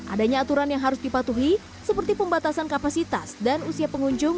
adanya aturan yang harus dipatuhi seperti pembatasan kapasitas dan usia pengunjung